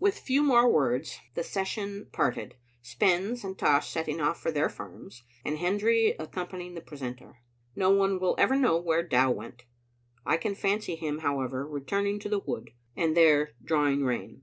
With few more words the Session parted, Spens and Tosh setting off for their farms, and Hendry accom panying the precentor. No one will ever know where Dow went. I can fancy him, however, returning to the wood, and there drawing rein.